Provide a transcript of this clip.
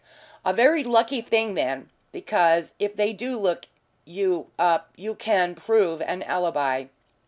"A very lucky thing then, because if they do look you up you can prove an alibi."